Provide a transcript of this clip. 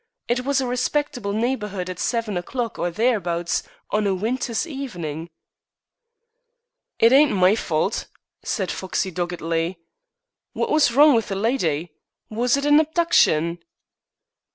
It was a respectable neighborhood at seven o'clock, or thereabouts, on a winter's evening." "It ain't my fault," said Foxey doggedly. "Wot was wrong with the lydy? Was it a habduction?"